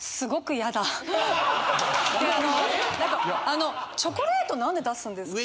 あのチョコレート何で出すんですか？